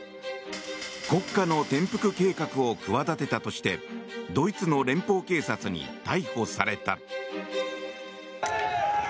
国家の転覆計画を企てたとしてドイツの連邦警察に逮捕された。